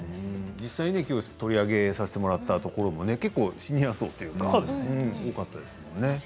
実際にきょう取り上げさせてもらったところもシニア層というか多かったですよね。